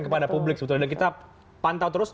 kepada publik sebetulnya dan kita pantau terus